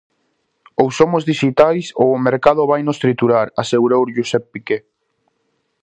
"Ou somos dixitais ou o mercado vainos triturar", asegurou Josep Piqué.